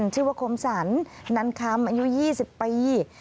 ชื่อว่าคมสรรนันคำอายุ๒๐ปี